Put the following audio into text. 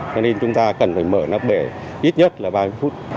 cho nên chúng ta cần phải mở nắp bể ít nhất là vài phút